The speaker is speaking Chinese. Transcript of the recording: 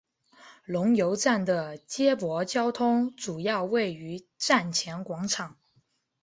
龙游站的接驳交通主要位于站前广场。